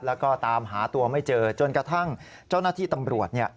แล้วก็ตามหาตัวไม่เจอจนกระทั่งเจ้าหน้าที่ตำรวจเนี่ย